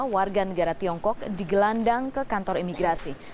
warga negara tiongkok digelandang ke kantor imigrasi